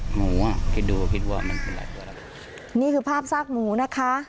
หมูอ่ะคิดดูคิดว่ามันเป็นหลายตัวแล้วนี่คือภาพซากหมูนะคะ